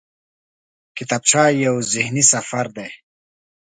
کتابچه یو ذهني سفر دی